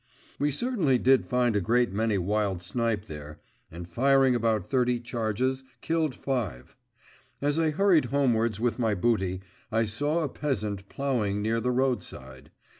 We certainly did find a great many wild snipe there, and, firing about thirty charges, killed five. As I hurried homewards with my booty, I saw a peasant ploughing near the roadside.